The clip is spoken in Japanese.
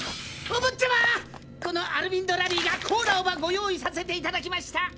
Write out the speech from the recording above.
おぼっちゃまアルヴィンド・ラビィがコーラをご用意させていただきました。